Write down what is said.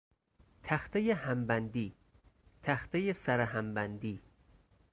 تختهی همبندی، تختهی سر هم بندی